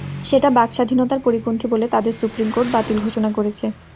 সেটা বাক স্বাধীনতার পরিপন্থী বলে তাদের সুপ্রিম কোর্ট বাতিল ঘোষণা করেছে।